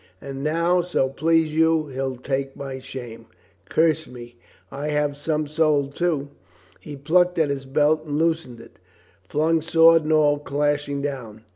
And now, so please you, he'd take my shame. ... Curse me, I have some soul, too." He plucked at his belt and loosening it, flung sword and all clashing down.